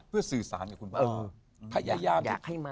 เพื่อสื่อสารกับคุณพ่อ